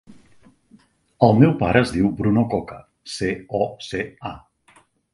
El meu pare es diu Bruno Coca: ce, o, ce, a.